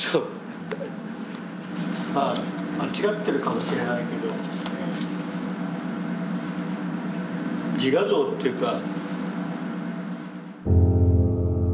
まあ間違ってるかもしれないけど自画像というか。